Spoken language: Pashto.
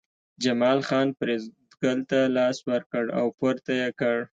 جمال خان فریدګل ته لاس ورکړ او پورته یې کړ